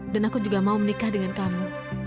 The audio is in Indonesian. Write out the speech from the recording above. dan aku juga mau menikah dengan kamu